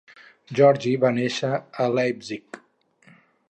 Georgi va néixer a Leipzig.